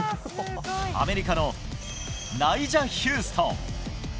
アメリカのナイジャ・ヒューストン。